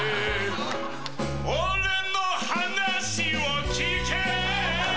俺の話を聞け！